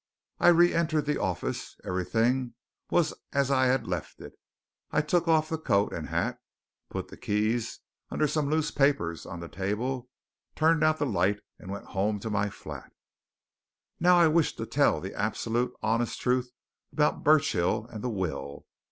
I re entered the office; everything was as I'd left it. I took off the coat and hat, put the keys under some loose papers on the table, turned out the light and went home to my flat. "'"Now I wish to tell the absolute, honest truth about Burchill and the will.